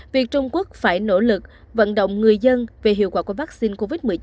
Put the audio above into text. việc trung quốc phải nỗ lực vận động người dân về hiệu quả của vaccine covid một mươi chín